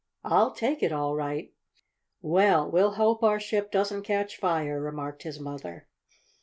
I'll take it all right." "Well, we'll hope our ship doesn't catch fire," remarked his mother.